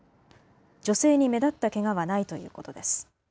女性に目立ったけがはないということです。